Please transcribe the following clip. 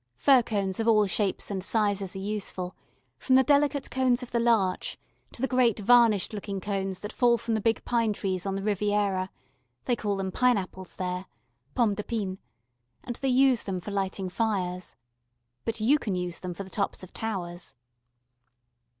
Fir cones of all shapes and sizes are useful, from the delicate cones of the larch to the great varnished looking cones that fall from the big pine trees on the Riviera; they call them pineapples there pommes de pin and they use them for lighting fires. But you can use them for the tops of towers.